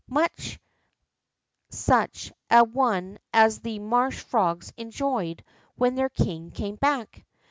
Much such a one as the marsh frogs enjoyed when their king came back.